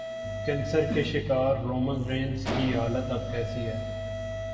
cancer کے شکار Roman Reigns کی حالت اب کیسی ہے